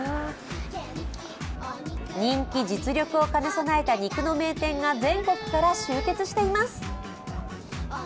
人気・実力を兼ね備えた肉の名店が全国から集結しています。